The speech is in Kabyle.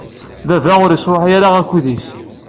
Baba ur yesṛuḥuy ara akud-is.